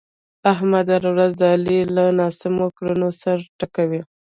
احمد هره ورځ د علي له ناسمو کړنو سر ټکوي.